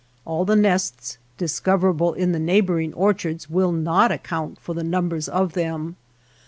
All the nests discoverable in the neighboring orchards will not account for the numbers of them.